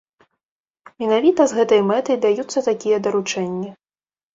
Менавіта з гэтай мэтай даюцца такія даручэнні.